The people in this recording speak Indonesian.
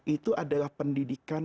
itu adalah pendidikan